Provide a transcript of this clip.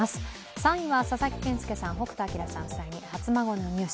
３位は佐々木健介さん、北斗晶さん夫妻に初孫のニュース。